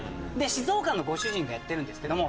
静岡のご主人がやってるんですけども。